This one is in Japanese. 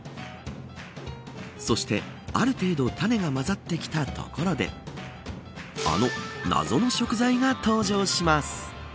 そして、ある程度タネが混ざってきたところであの謎の食材が登場します。